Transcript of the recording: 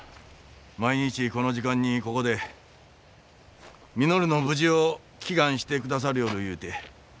毎日この時間にここで稔の無事を祈願してくださりょうるいうて。